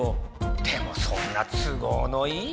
でもそんな都合のいい。